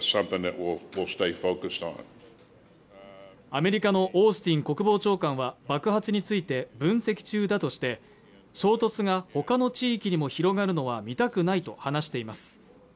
アメリカのオースティン国防長官は爆発について分析中だとして衝突がほかの地域にも広がるのは見たくないと話しています